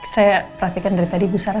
saya perhatikan dari tadi bu sarah